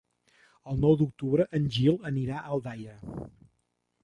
El nou d'octubre en Gil anirà a Aldaia.